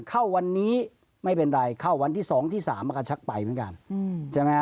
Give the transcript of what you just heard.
เข้าวันนี้ไม่เป็นไรเข้าวันที่๒ที่๓มากันชักไปเหมือนกัน